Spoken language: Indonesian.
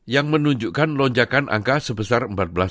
yang menunjukkan lonjakan angka sebesar empat belas